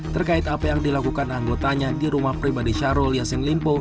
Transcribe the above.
terkait apa yang dilakukan anggotanya di rumah pribadi syahrul yassin limpo